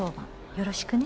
よろしくね